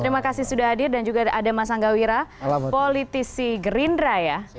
terima kasih sudah hadir dan juga ada mas angga wira politisi gerindra ya